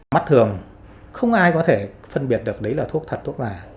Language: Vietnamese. mắt thường không ai có thể phân biệt được đấy là thuốc thật thuốc gà